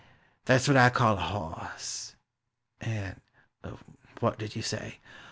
That 's what T call a hoss ! and — w r hat did you say?